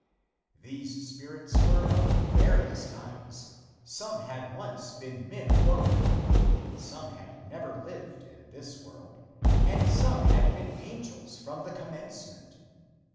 These spirits were of various kinds: Some had once been men or women, some had never lived in this world, and some had been angels from the commencement.